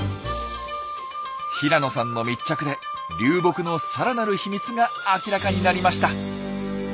平野さんの密着で流木のさらなる秘密が明らかになりました。